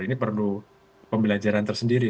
ini perlu pembelajaran tersendiri